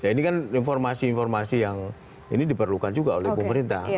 ini kan informasi informasi yang ini diperlukan juga oleh pemerintah